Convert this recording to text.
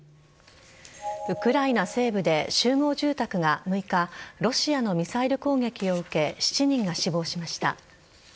ウクライナ西部で集合住宅が６日ロシアのミサイル攻撃を受け７人が死亡しました。